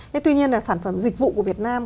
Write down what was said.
thế tuy nhiên là sản phẩm dịch vụ của việt nam